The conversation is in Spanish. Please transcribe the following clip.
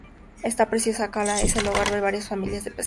Esta preciosa cala, es el hogar de varias familias de pescadores.